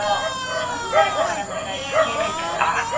犯罪者からの依頼引き受けちゃうなんて。